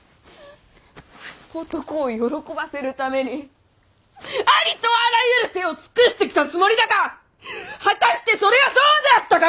男を喜ばせるためにありとあらゆる手を尽くしてきたつもりだが果たしてそれはどうであったかの！？